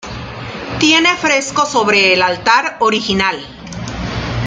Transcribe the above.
Tiene frescos sobre el altar original.